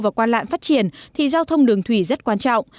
và quan lạn phát triển thì giao thông đường thủy rất quan trọng